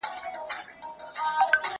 سل کلونه، زرکلونه، ډېر د وړاندي